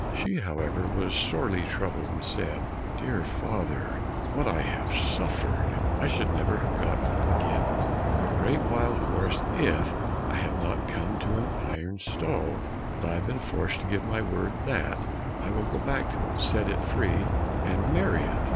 She, however, was sorely troubled, and said, "Dear father, what I have suffered! I should never have got home again from the great wild forest, if I had not come to an iron stove, but I have been forced to give my word that I will go back to it, set it free, and marry it."